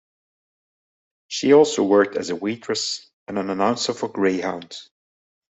She also worked as a waitress and an announcer for Greyhound.